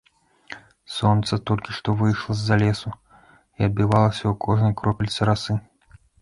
Сонца толькі што выйшла з-за лесу і адбівалася ў кожнай кропельцы расы.